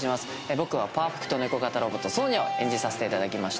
僕はパーフェクト猫型ロボットソーニャを演じさせて頂きました。